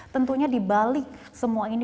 tentunya di bali semua ini pasti